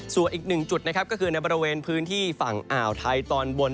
ส่วนอีกหนึ่งจุดนะครับก็คือในบริเวณพื้นที่ฝั่งอ่าวไทยตอนบน